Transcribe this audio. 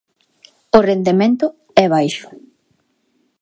O rendemento é baixo.